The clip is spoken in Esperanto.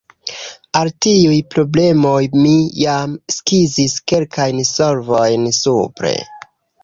Al tiuj problemoj mi jam skizis kelkajn solvojn supre.